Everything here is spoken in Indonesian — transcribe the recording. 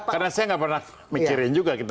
karena saya gak pernah mikirin juga gitu